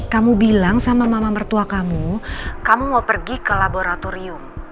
kamu bilang sama mama mertua kamu kamu mau pergi ke laboratorium